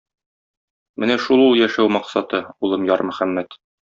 Менә шул ул яшәү максаты, улым Ярмөхәммәт.